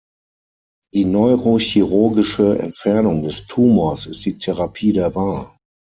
Die neurochirurgische Entfernung des Tumors ist die Therapie der Wahl.